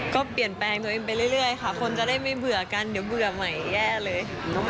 ก็เปลี่ยนแปลงตัวเองไปเรื่อยค่ะคนจะได้ไม่เบื่อกันเดี๋ยวเบื่อใหม่แย่เลย